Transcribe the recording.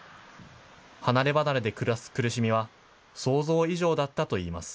離れ離れで暮らす苦しみは、想像以上だったといいます。